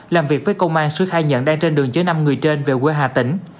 làm việc với công an sứ khai nhận đang trên đường chế năm người trên về quê hà tỉnh